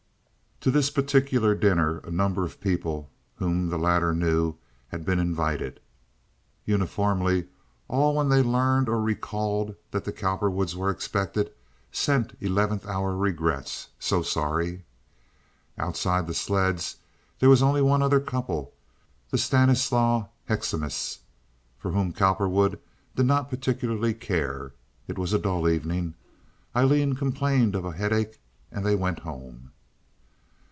To this particular dinner a number of people, whom the latter knew, had been invited. Uniformly all, when they learned or recalled that the Cowperwoods were expected, sent eleventh hour regrets—"so sorry." Outside the Sledds there was only one other couple—the Stanislau Hoecksemas, for whom the Cowperwoods did not particularly care. It was a dull evening. Aileen complained of a headache, and they went home.